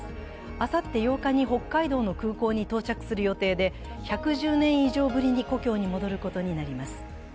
あさって８日に北海道の空港に到着する予定で、１１０年以上ぶりに故郷に戻ることになります。